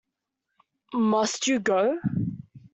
Must you go?